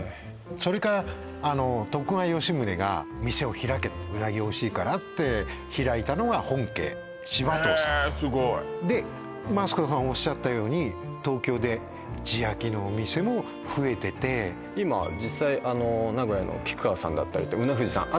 それかあの徳川吉宗が店を開けうなぎおいしいからって開いたのが本家柴藤さんへえすごいでマツコさんおっしゃったように東京で地焼きのお店も増えてて今実際あの名古屋の菊川さんだったりうな富士さん